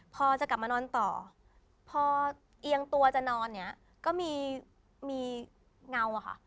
พอจะกลับมานอนต่อพอเอียงตัวจะนอนเนี่ยก็มีเงาอะค่ะ